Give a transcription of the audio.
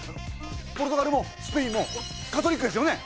ポルトガルもスペインもカトリックですよね！